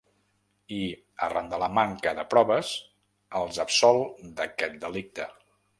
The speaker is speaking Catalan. I, arran de la manca de proves, els absol d’aquest delicte.